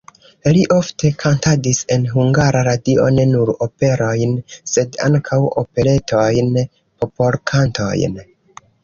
Li ofte kantadis en Hungara Radio ne nur operojn, sed ankaŭ operetojn, popolkantojn.